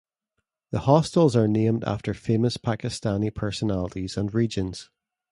The hostels are named after famous Pakistani personalities and regions.